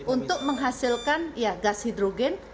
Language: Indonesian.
untuk menghasilkan gas hidrogen